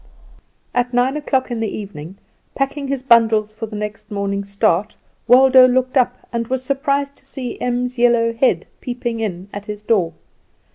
At nine o'clock in the evening, packing his bundles for the next morning's start, Waldo looked up, and was surprised to see Em's yellow head peeping in at his door.